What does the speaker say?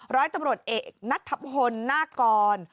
ร้อยตำรวจเอกนัทพลหน้ากร